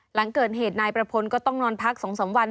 หลังเกิดเหตุนายประพลก็ต้องนอนพัก๒๓วัน